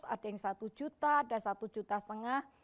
ada yang satu juta ada satu juta setengah